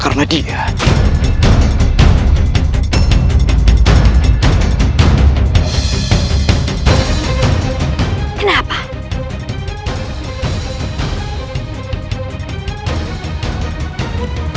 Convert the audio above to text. karena dia yang telah menghukumku